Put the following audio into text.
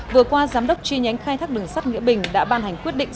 vừa qua giám đốc chi nhánh khai thác đường sắt nghĩa bình đã ban hành quyết định